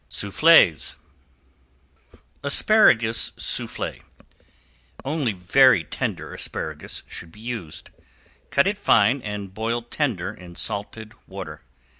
SOUFFLES ~ASPARAGUS SOUFFLE~ Only very tender asparagus should be used. Cut it fine and boil tender in salted water.